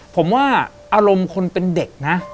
ผมว่าอารมณ์คนเป็นเด็กนะ